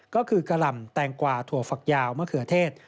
ก็คือกะหล่ำแตงกว่าถั่วฝักยาวมะเขือเทศ